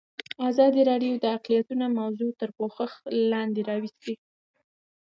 ازادي راډیو د اقلیتونه موضوع تر پوښښ لاندې راوستې.